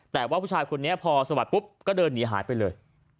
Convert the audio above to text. แต่ว่าผู้ชายคนนี้พอสวัสดิปุ๊บก็เดินหนีหายไปเลย